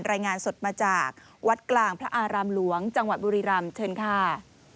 รายงานสดมาจากวัดกลางพระอารามหลวงจังหวัดบุรีรำเชิญค่ะ